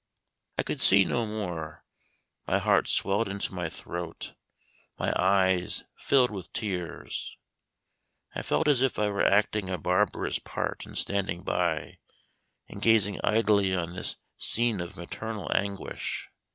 I could see no more my heart swelled into my throat my eyes filled with tears; I felt as if I were acting a barbarous part in standing by and gazing idly on this scene of maternal anguish.